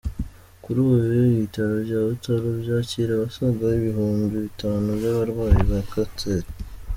Kuri ubu ibitaro bya Butaro byakira abasaga ibihumbi bitanu by’abarwayi ba kanseri.